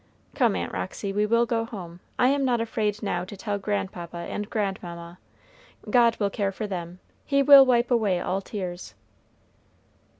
Come, Aunt Roxy, we will go home. I am not afraid now to tell grandpapa and grandmamma. God will care for them; He will wipe away all tears."